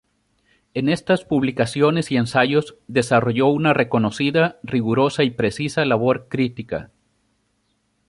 En estas publicaciones y ensayos desarrolló una reconocida, rigurosa y precisa labor crítica.